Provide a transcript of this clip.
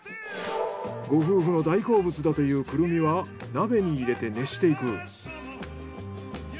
ご夫婦の大好物だというクルミは鍋に入れて熱していく。